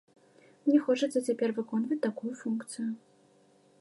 Мне хочацца цяпер выконваць такую функцыю.